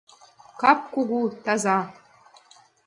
Кап кугу, таза.